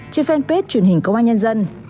trên fanpage truyền hình công an nhân dân